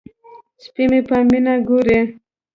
سپی مې په مینه ګوري.